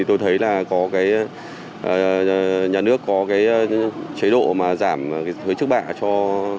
tôi thấy là nhà nước có chế độ giảm hới chức bạ cho